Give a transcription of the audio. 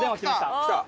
きた？